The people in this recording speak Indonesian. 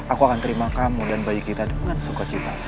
aku akan terima kamu dan bayi kita dengan sukacita